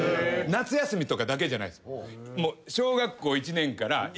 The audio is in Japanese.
夏休みとかだけじゃないんです。小学校１年から。